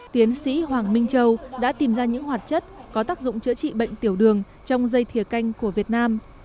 tiến sĩ hoàng minh châu đã tìm ra những hoạt chất có tác dụng chữa trị bệnh tiểu đường trong dây thiều canh của việt nam